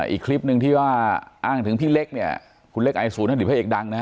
อีกคลิปหนึ่งที่ว่าอ้างถึงพี่เล็กเนี่ยคุณเล็กไอศูนอดีตพระเอกดังนะฮะ